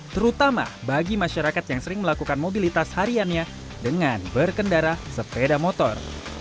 terutama bagi masyarakat yang sering melakukan mobilitas hariannya dengan berkendara sepeda motor